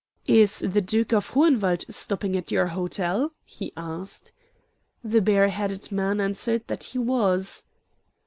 "Is the Duke of Hohenwald stopping at your hotel?" he asked. The bareheaded man answered that he was.